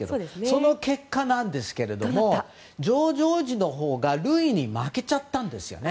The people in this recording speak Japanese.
その結果なんですけれどジョージ王子のほうがルイに負けちゃったんですよね。